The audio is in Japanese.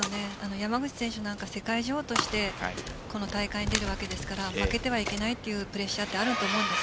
山口選手なんか世界女王として大会に出るわけですから負けてはいけないというプレッシャーがあると思うんです。